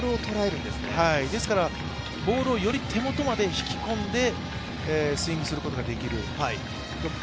ですからボールを、より手元まで引き込んでスイングすることができる。